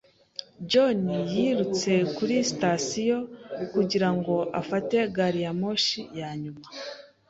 John yirutse kuri sitasiyo kugira ngo afate gari ya moshi ya nyuma.